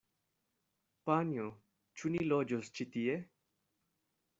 Panjo, ĉu ni loĝos ĉi tie?